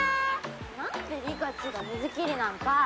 何でリカチが水切りなんか！